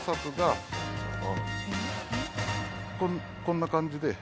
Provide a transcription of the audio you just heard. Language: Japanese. こんな感じで。